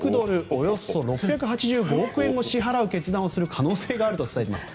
およそ６８５億円を支払う決断をする可能性があると伝えています。